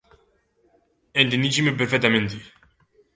Entendíchesme perfectamente.